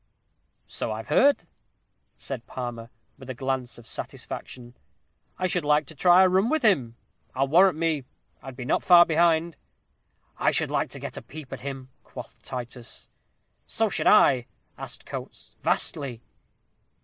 "So I've heard," said Palmer, with a glance of satisfaction. "I should like to try a run with him. I warrant me, I'd not be far behind." "I should like to get a peep at him," quoth Titus. "So should I," added Coates. "Vastly!"